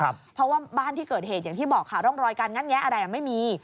เพราะว่าบ้านที่เกิดเหตุอย่างที่บอกค่ะร่องรอยการงัดแงะอะไรไม่มี